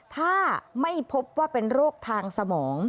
ถ้าไม่พบว่าเป็นโรคทางสมอง